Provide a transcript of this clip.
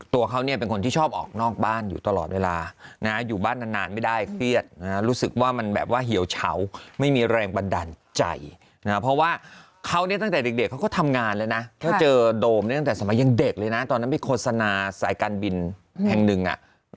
ตัวเขาเนี่ยเป็นคนที่ชอบออกนอกบ้านอยู่ตลอดเวลานะอยู่บ้านนานไม่ได้เครียดนะรู้สึกว่ามันแบบว่าเหี่ยวเฉาไม่มีแรงบันดาลใจนะเพราะว่าเขาเนี่ยตั้งแต่เด็กเขาก็ทำงานแล้วนะเขาเจอโดมเนี่ยตั้งแต่สมัยยังเด็กเลยนะตอนนั้นไปโฆษณาสายการบินแห่งหนึ่งอ่ะ